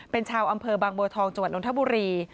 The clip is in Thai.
เป็นชาวอำเภอบางบัวทองจังหวัดนทบุรี